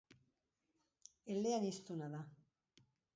Eleaniztuna da.